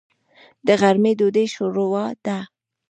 د غرمې ډوډۍ شوروا ده.